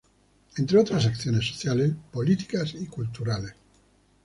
Entre otras acciones sociales, políticas y culturales.